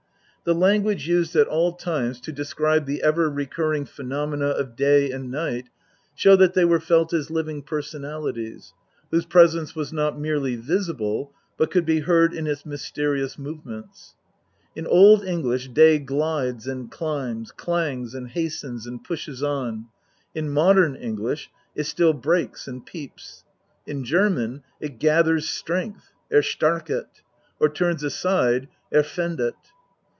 The language used in all time xxn THE POETIC EDDA. to describe the ever recurring phenomena of day and night show that they were felt as living personalities, whose presence was not merely visible, but could be heard in its mysterious movements. In Old EngKsh, Day glides and climbs, clangs and hastens and pushes on ; in modern English, it still breaks and peeps. In German, it gathers strength (erstarket) or turns aside (ervendet).